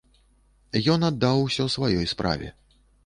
Ён аддаў усё сваёй справе.